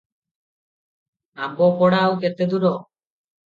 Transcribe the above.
ଆମ୍ବପଡା ଆଉ କେତେ ଦୂର?